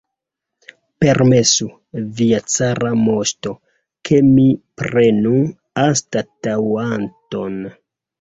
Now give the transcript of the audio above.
Permesu, via cara moŝto, ke mi prenu anstataŭanton!